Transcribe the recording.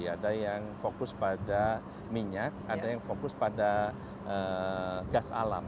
ada yang fokus pada minyak ada yang fokus pada gas alam